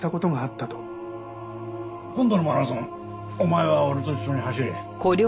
今度のマラソンお前は俺と一緒に走れ。